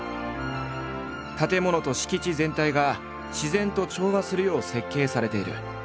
建物と敷地全体が自然と調和するよう設計されている。